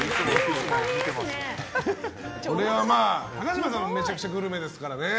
高嶋さんはめちゃくちゃグルメですからね。